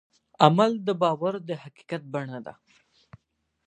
عمل د باور د حقیقت بڼه ده.